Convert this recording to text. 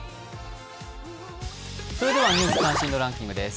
それでは「ニュース関心度ランキング」です。